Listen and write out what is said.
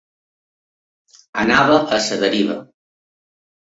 Anava a la deriva.